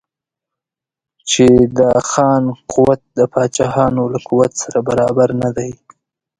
چې د خان قوت د پاچاهانو له قوت سره برابر نه دی.